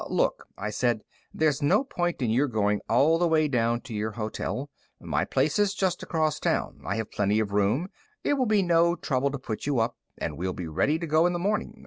"Look," I said, "there's no point in your going all the way down to your hotel. My place is just across town, I have plenty of room, it will be no trouble to put you up, and we'll be ready to go in the morning.